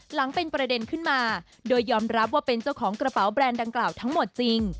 หลังเป็นประเด็นขึ้นมาโดยยอมรับว่าเป็นเจ้าของกระเป๋าแบรนด์ดังกล่าวทั้งหมดจริง